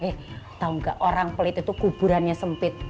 eh tau gak orang pelit itu kuburannya sempit